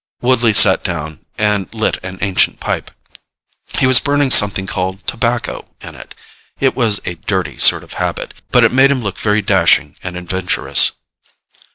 Woodley sat down and lit an ancient pipe. He was burning something called tobacco in it. It was a dirty sort of habit, but it made him look very dashing and adventurous.